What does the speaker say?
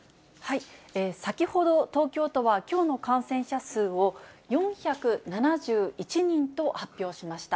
先ほど、東京都はきょうの感染者数を４７１人と発表しました。